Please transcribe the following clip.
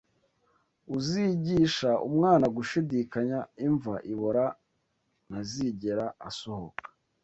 Uzigisha Umwana Gushidikanya Imva ibora ntazigera asohoka